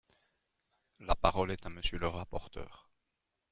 La parole est à Monsieur le rapporteur.